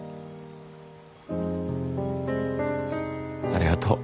ありがとう。